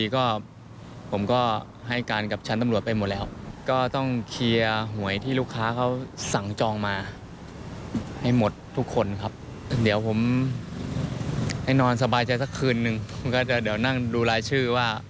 ก็จะเดี๋ยวนั่งดูรายชื่อว่า